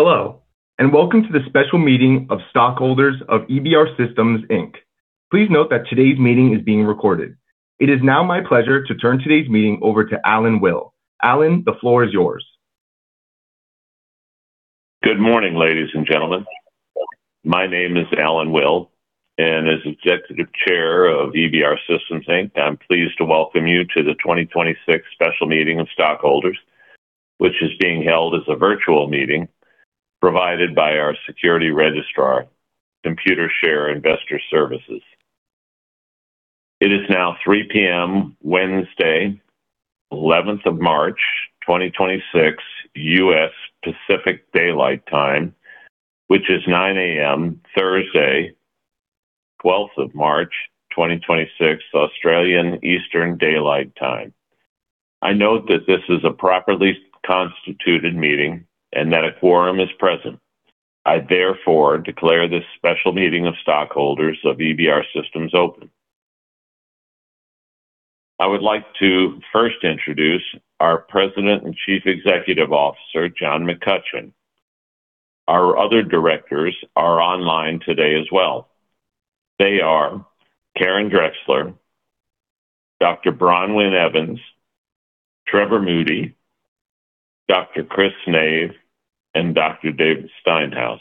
Hello, and welcome to the special meeting of stockholders of EBR Systems, Inc. Please note that today's meeting is being recorded. It is now my pleasure to turn today's meeting over to Allan Will. Allan, the floor is yours. Good morning, ladies and gentlemen. My name is Allan Will, and as Executive Chairman of EBR Systems, Inc., I'm pleased to welcome you to the 2026 Special Meeting of Stockholders, which is being held as a virtual meeting provided by our security registrar, Computershare Investor Services. It is now 3:00 P.M. Wednesday, 11th of March, 2026, Pacific Daylight Time, which is 9:00 A.M. Thursday, 12th of March, 2026, Australian Eastern Daylight Time. I note that this is a properly constituted meeting and that a quorum is present. I therefore declare this special meeting of stockholders of EBR Systems open. I would like to first introduce our President and Chief Executive Officer, John McCutcheon. Our other directors are online today as well. They are Karen Drexler, Dr. Bronwyn Evans, Trevor Moody, Dr. Chris Nave, and Dr. David Steinhaus.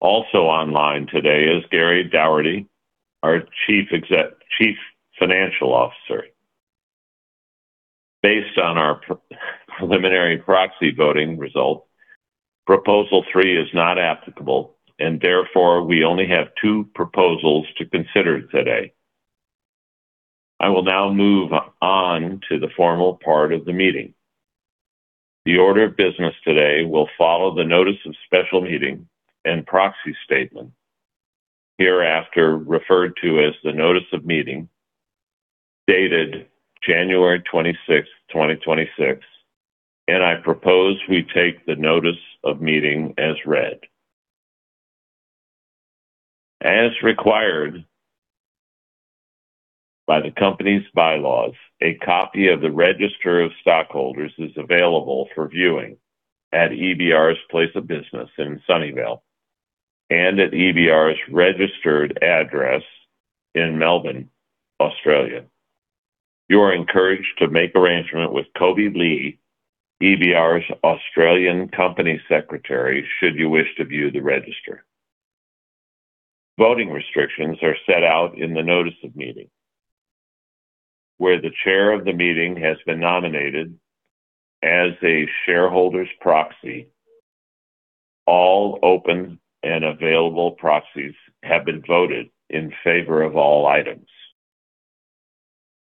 Also online today is Gary Doherty, our Chief Financial Officer. Based on our preliminary proxy voting results, proposal three is not applicable, and therefore we only have two proposals to consider today. I will now move on to the formal part of the meeting. The order of business today will follow the notice of special meeting and proxy statement, hereafter referred to as the notice of meeting, dated January 26th, 2026, and I propose we take the notice of meeting as read. As required by the company's bylaws, a copy of the register of stockholders is available for viewing at EBR's place of business in Sunnyvale and at EBR's registered address in Melbourne, Australia. You are encouraged to make arrangement with Kobe Li, EBR's Australian Company Secretary, should you wish to view the register. Voting restrictions are set out in the notice of meeting. Where the Chair of the meeting has been nominated as a shareholder's proxy, all open and available proxies have been voted in favor of all items.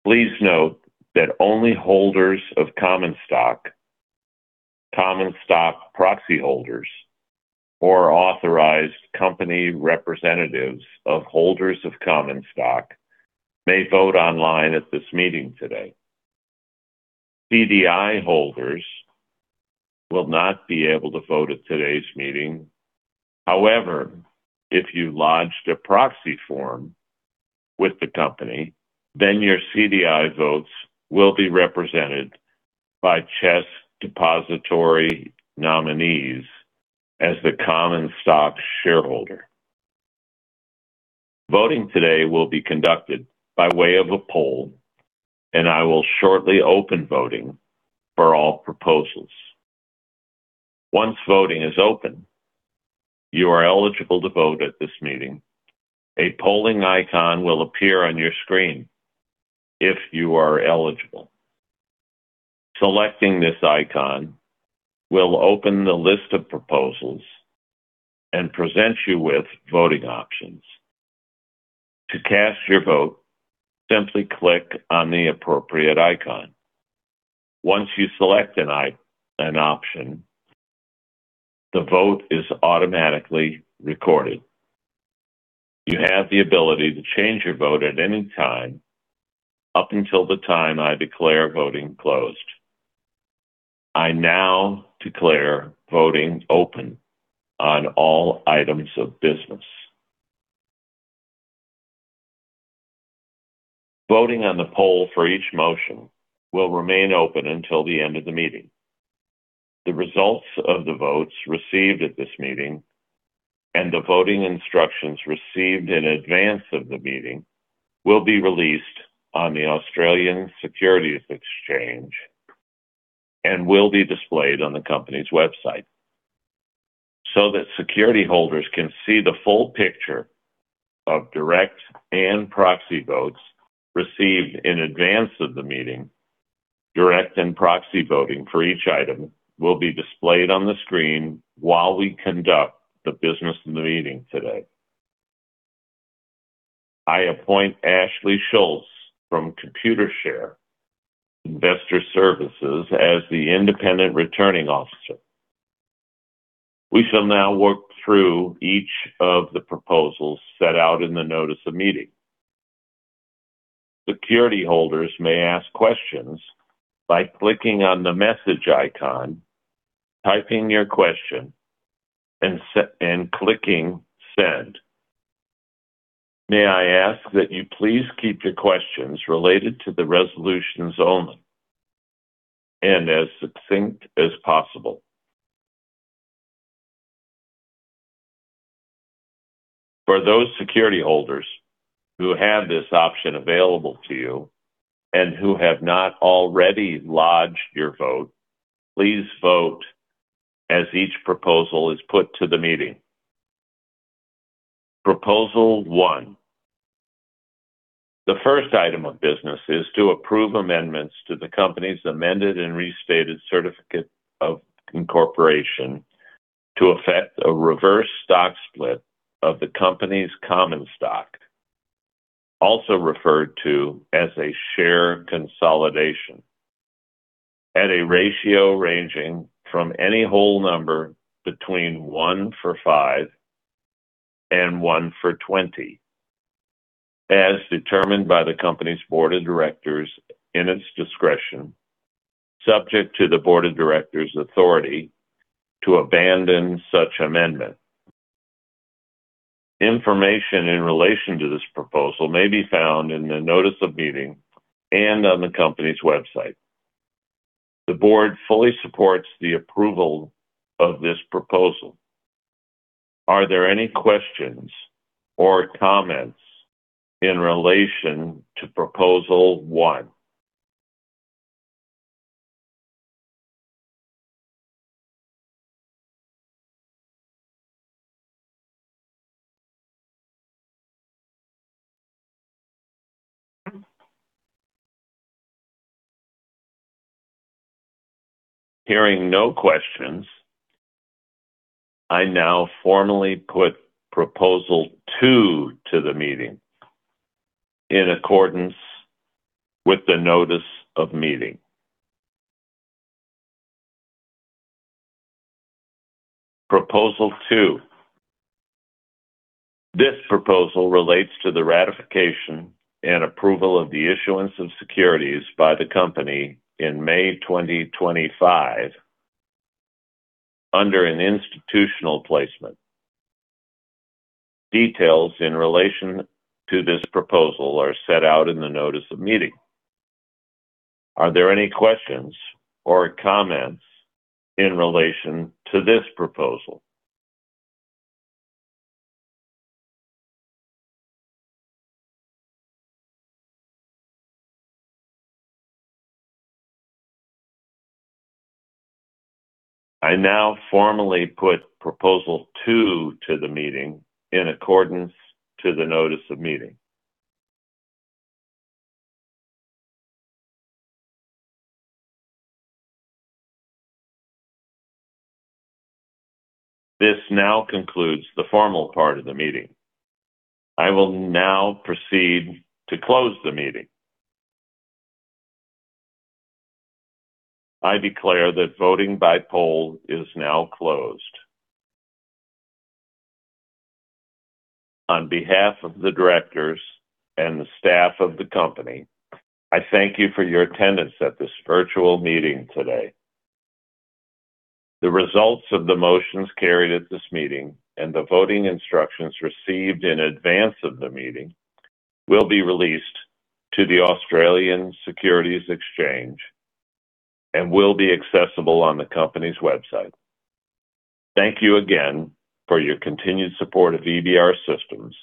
Please note that only holders of common stock, common stock proxy holders, or authorized company representatives of holders of common stock may vote online at this meeting today. CDI holders will not be able to vote at today's meeting. However, if you lodged a proxy form with the company, then your CDI votes will be represented by CHESS Depositary Nominees as the common stock shareholder. Voting today will be conducted by way of a poll, and I will shortly open voting for all proposals. Once voting is open, you are eligible to vote at this meeting. A polling icon will appear on your screen if you are eligible. Selecting this icon will open the list of proposals and present you with voting options. To cast your vote, simply click on the appropriate icon. Once you select an option, the vote is automatically recorded. You have the ability to change your vote at any time up until the time I declare voting closed. I now declare voting open on all items of business. Voting on the poll for each motion will remain open until the end of the meeting. The results of the votes received at this meeting and the voting instructions received in advance of the meeting will be released on the Australian Securities Exchange and will be displayed on the company's website. That security holders can see the full picture of direct and proxy votes received in advance of the meeting, direct and proxy voting for each item will be displayed on the screen while we conduct the business of the meeting today. I appoint Ashleigh Schultz from Computershare Investor Services as the independent returning officer. We shall now work through each of the proposals set out in the notice of meeting. Security holders may ask questions by clicking on the message icon, typing your question, and clicking Send. May I ask that you please keep your questions related to the resolutions only and as succinct as possible. For those security holders who have this option available to you and who have not already lodged your vote, please vote as each proposal is put to the meeting. Proposal one. The first item of business is to approve amendments to the company's amended and restated Certificate of Incorporation to affect a reverse stock split of the company's common stock, also referred to as a share consolidation at a ratio ranging from any whole number between 1-for-5 and 1-for-20, as determined by the company's board of directors in its discretion, subject to the Board of Director’s' authority to abandon such amendment. Information in relation to this proposal may be found in the notice of meeting and on the company's website. The board fully supports the approval of this proposal. Are there any questions or comments in relation to proposal one? Hearing no questions, I now formally put proposal two to the meeting in accordance with the notice of meeting. Proposal two. This proposal relates to the ratification and approval of the issuance of securities by the company in May 2025 under an institutional placement. Details in relation to this proposal are set out in the notice of meeting. Are there any questions or comments in relation to this proposal? I now formally put proposal two to the meeting in accordance to the notice of meeting. This now concludes the formal part of the meeting. I will now proceed to close the meeting. I declare that voting by poll is now closed. On behalf of the directors and the staff of the company, I thank you for your attendance at this virtual meeting today. The results of the motions carried at this meeting and the voting instructions received in advance of the meeting will be released to the Australian Securities Exchange and will be accessible on the company's website. Thank you again for your continued support of EBR Systems.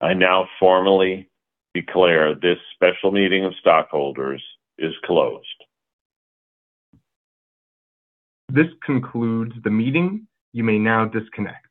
I now formally declare this special meeting of stockholders is closed. This concludes the meeting. You may now disconnect.